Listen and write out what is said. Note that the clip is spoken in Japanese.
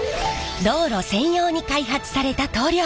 道路専用に開発された塗料。